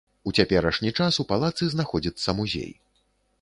У цяперашні час у палацы знаходзіцца музей.